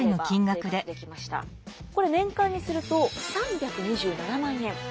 これ年間にすると３２７万円。